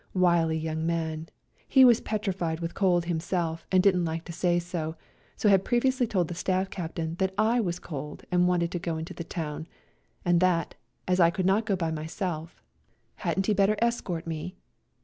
Wily young man, he was petrified with cold himself and didn't like to say so, so had previously told the Staff Captain that / was cold and wanted to go into the town, and that, as I could not go by myself, A COLD NIGHT RIDE 97 hadn't he better escort me?